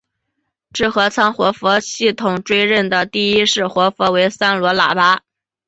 智合仓活佛系统追认的第一世活佛为三罗喇嘛。